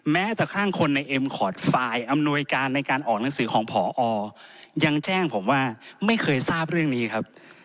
แม้แต่ข้างคนในเอ็มคอร์ดไฟล์อำนวยการในการออกหนังสือของผอยังแจ้งผมว่าไม่เคยทราบเรื่องนี้ครับ